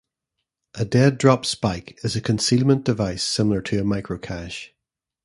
A "dead drop spike" is a concealment device similar to a microcache.